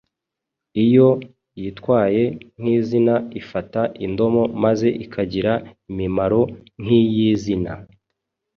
Iyo yitwaye nk’izina ifata indomo maze ikagira imimaro nk’iy’izina.